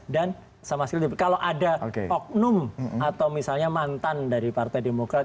dan sama sekali kalau ada oknum atau misalnya mantan dari partai demokrat